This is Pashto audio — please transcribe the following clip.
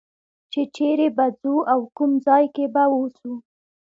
چې چېرې به ځو او کوم ځای کې به اوسو.